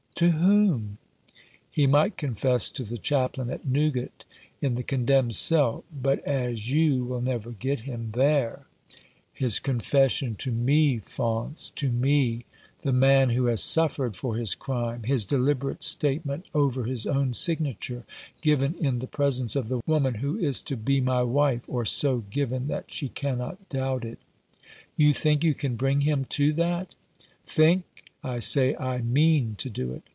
" To whom ? He might confess to the chaplain at Newgate, in the condemned cell ; but as you will never get him there "" His confession to me, Faunce — to me, the man who has suffered for his crime, his deliberate statement over his own signature, given in the presence of the woman who is to be my wife, or so given that she cannot doubt it." " You think you can bring him to that ?"" Think ! I say I mean to do it.